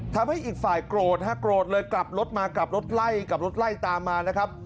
ทำให้อีกฝ่ายโกรธฮะโกรธเลยกลับรถมากลับรถไล่กลับรถไล่ตามมานะครับ